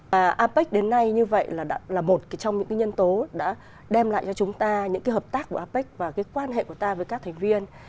và apec đến nay như vậy là một trong những cái nhân tố đã đem lại cho chúng ta những cái hợp tác của apec và cái quan hệ của ta với các thành viên